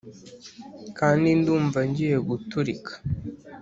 kandi ndumva ngiye guturika,